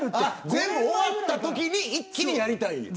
全部終わったときに一気にやりたいと。